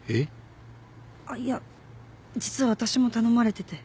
あっいや実は私も頼まれてて。